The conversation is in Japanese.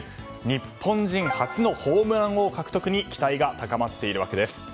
日本人初のホームラン王獲得に期待が高まっているわけです。